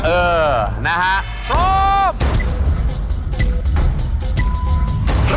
เออนะฮะพร้อม